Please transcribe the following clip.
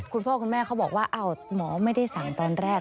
คุณพ่อคุณแม่เขาบอกว่าหมอไม่ได้สั่งตอนแรก